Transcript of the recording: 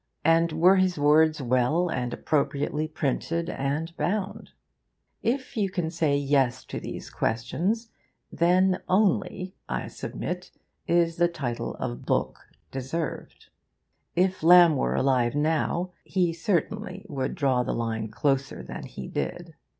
And were his words well and appropriately printed and bound? If you can say Yes to these questions, then only, I submit, is the title of 'book' deserved. If Lamb were alive now, he certainly would draw the line closer than he did.